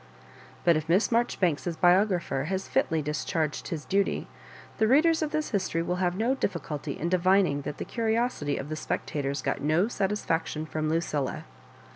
But if Miss Marjoribanks's biographer has fitly discharged his duty, the readers of this history will have no difficulty in divining that the curiosity of the ^ spectators got no satisfaction from Lucilla.